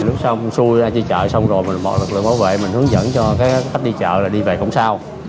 lúc xong xui ra chơi chợ xong rồi lực lượng bảo vệ mình hướng dẫn cho các khách đi chợ là đi về cũng sao